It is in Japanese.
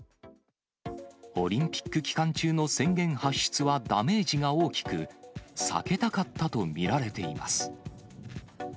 オリンピック期間中の宣言発出はダメージが大きく、避けたかったと見られています。